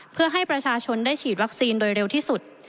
เพื่อให้ประชาชนได้ฉีดวัคซีนโดยเร็วที่สุด